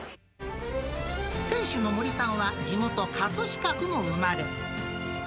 店主の森さんは地元、葛飾区の生まれ。